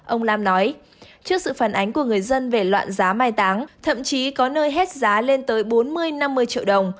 ông lam nói trước sự phản ánh của người dân về loạn giá mai táng thậm chí có nơi hết giá lên tới bốn mươi năm mươi triệu đồng